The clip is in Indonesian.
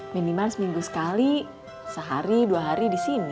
minimal seminggu sekali sehari dua hari disini